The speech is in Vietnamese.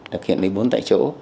được hiện lý bốn tại chỗ